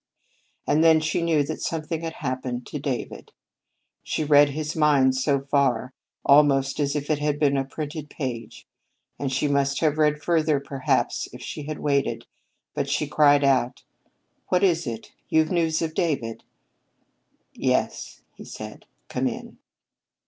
And then she knew that something had happened to David. She read his mind so far, almost as if it had been a printed page, and she might have read further, perhaps, if she had waited, but she cried out: "What is it? You've news of David?" "Yes," he said. "Come in."